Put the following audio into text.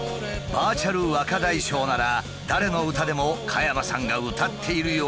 バーチャル若大将なら誰の歌でも加山さんが歌っているようにできる。